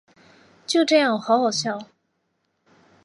就这样喔好好笑